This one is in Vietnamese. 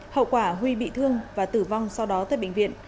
hậu quả huy bị thương và tử vong sau đó tới bệnh viện